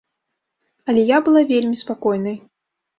Але я была вельмі спакойнай.